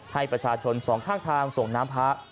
ให้ประชาชนสองข้างทางส่งน้ำพระ